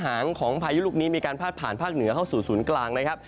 หางของพายุลูกนี้มีการพาดผ่านภาคเหนือเข้าสู่ศูนย์กลางนะครับ